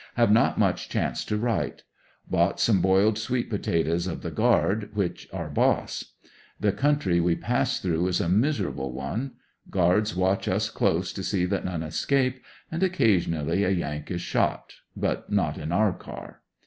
Have not much chance to write. Bought some boiled sweet potatoes of the guard, which are boss. The country we pass through is a miserable one. Guards watch us close to see that none escape, and occasionally a Yank is shot, but not in our car.